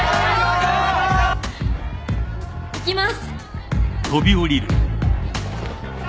いきます。